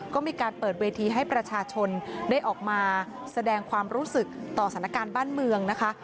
ก็มีการเปิดเวทีให้ประชาชนได้ออกมาแสดงความรู้สึกต่อสถานการณ์บ้านเมืองนะคะ